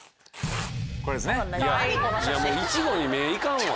これですね。